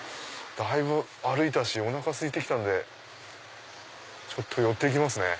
だいぶ歩いたしおなかすいて来たんでちょっと寄って行きますね。